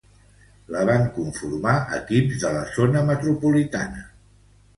La van conformar equips de la zona metropolitana.